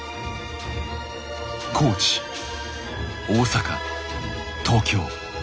高知大阪東京。